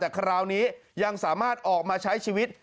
แต่คราวนี้ยังสามารถออกมาใช้ชีวิต